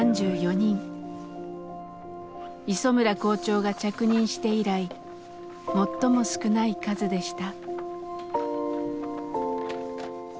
磯村校長が着任して以来最も少ない数でした。